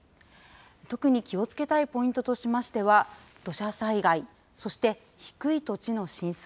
特に気をつけたいポイントとしましては、土砂災害、そして低い土地の浸水。